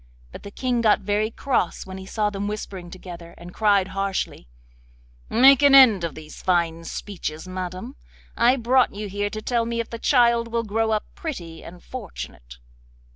But the King got very cross when he saw them whispering together, and cried harshly: 'Make an end of these fine speeches, madam. I brought you here to tell me if the child will grow up pretty and fortunate.